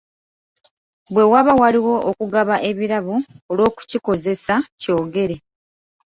Bwe waba waliwo okugaba ebirabo olw'okukikozesa kyogere.